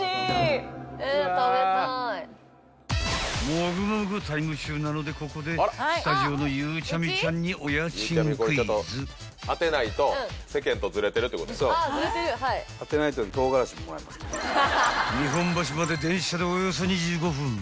［もぐもぐタイム中なのでここでスタジオのゆうちゃみちゃんに］［日本橋まで電車でおよそ２５分］